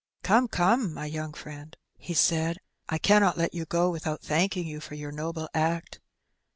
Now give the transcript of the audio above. "Come, come, my young friend,'^ he said; "I cannot let you go without thanking you for your noble act.